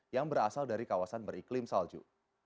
yang berasal dari kawasan beriklim salju